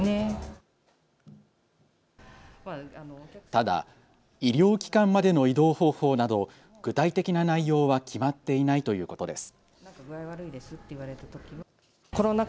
ただ医療機関までの移動方法など具体的な内容は決まっていないということです。